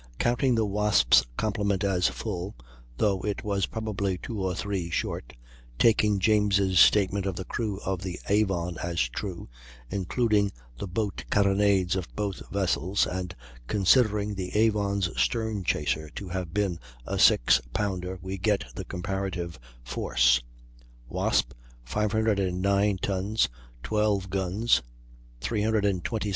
] Counting the Wasp's complement as full (though it was probably two or three short), taking James' statement of the crew of the Avon as true, including the boat carronades of both vessels, and considering the Avon's stern chaser to have been a six pounder, we get the COMPARATIVE FORCE. No. Weight No. Tons.